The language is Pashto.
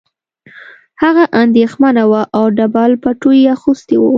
هغه اندېښمنه وه او ډبل پټو یې اغوستی و